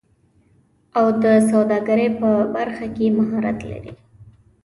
او د سوداګرۍ په برخه کې مهارت لري